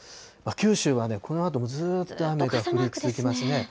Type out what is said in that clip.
九州は、このあとずーっと雨が続いてますね。